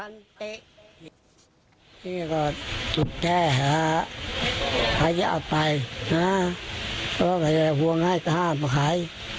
นี่ก็แค่ฮะใครจะเอาไปนะเพราะว่าไปหัวง่ายก็ห้ามมาขาย